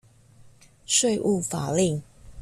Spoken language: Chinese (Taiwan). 稅務法令